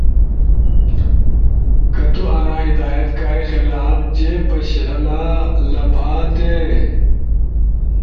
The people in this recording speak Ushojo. کہ تو انا ہدایات کائی خلاف جے پشلا لپھاتی،